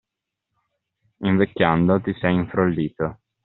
Invecchiando, ti sei infrollito.